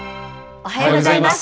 おはようございます。